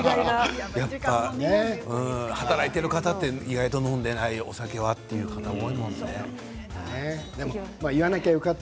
やっぱり働いてる方は意外と飲んでいないお酒は、という方多いもんね。